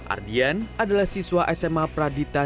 ardian adalah siswa sma pradita